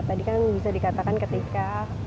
tadi kan bisa dikatakan ketika